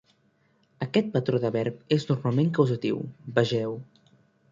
Aquest patró de verb és normalment causatiu, vegeu.